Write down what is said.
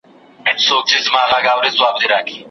موږ د یوې غوره نړۍ په جوړولو کې برخه اخلو.